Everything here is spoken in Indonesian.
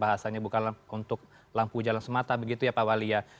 bahasanya bukan untuk lampu jalan semata begitu ya pak wali ya